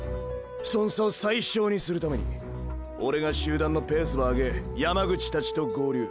そん差を最少にするためにーーオレが集団のペースば上げ山口たちと合流。